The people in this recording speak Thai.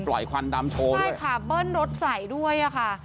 ปล่อยควันดำโชว์ด้วยใช่ค่ะเบิ้ลรถใสด้วยค่ะ